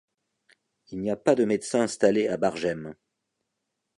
Il n'y a pas de médecin installé à Bargème.